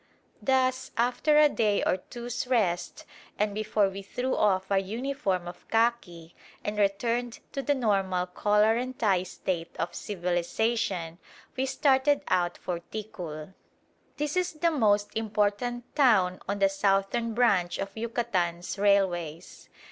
Thus, after a day or two's rest and before we threw off our uniform of khaki and returned to the normal collar and tie state of civilisation, we started out for Ticul. This is the most important town on the southern branch of Yucatan's railways.